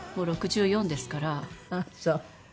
ああそう。